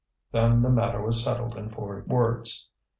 Then the matter was settled in four words.